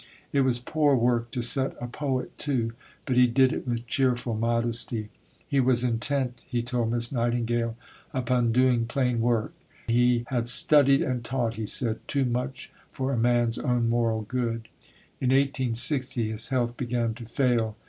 It was poor work to set a poet to, but he did it with cheerful modesty. He was intent, he told Miss Nightingale, upon "doing plain work"; he had "studied and taught," he said, "too much for a man's own moral good." In 1860 his health began to fail.